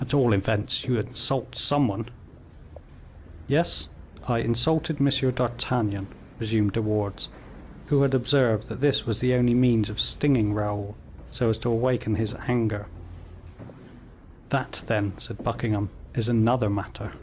"At all events you insult someone." "Yes, I insulted M. d'Artagnan," resumed De Wardes, who had observed that this was the only means of stinging Raoul, so as to awaken his anger. "That, then," said Buckingham, "is another matter."